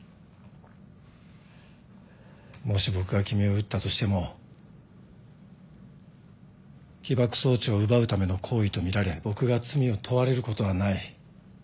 もし僕が君を撃ったとしても起爆装置を奪うための行為とみられ僕が罪を問われることはない。